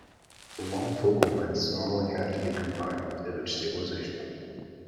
The long focal lengths normally have to be combined with image stabilization.